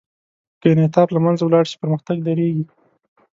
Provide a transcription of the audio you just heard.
که انعطاف له منځه ولاړ شي، پرمختګ درېږي.